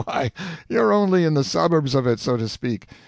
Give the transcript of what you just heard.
Why, you're only in the suburbs of it, so to speak.